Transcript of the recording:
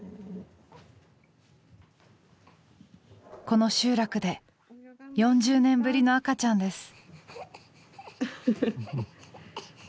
この集落で４０年ぶりの赤ちゃんです。